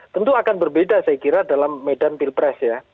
tentu akan berbeda saya kira dalam medan pilpres ya